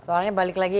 suaranya balik lagi